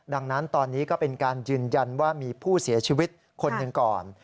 ดังนั้นตอนนี้ก็เป็นการยืนยันว่ามีผู้เสียชีวิตคนหนึ่งก่อน